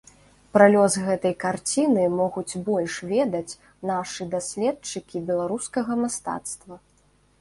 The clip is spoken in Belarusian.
Пра лёс гэтай карціны могуць больш ведаць нашы даследчыкі беларускага мастацтва.